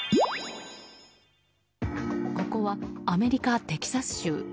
ここはアメリカ・テキサス州。